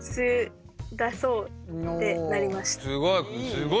すごい！